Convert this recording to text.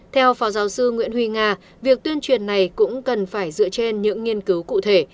theo phó giáo sư nguyễn huy nga việc tuyên truyền này cũng cần phải dựa trên những nghiên cứu cụ thể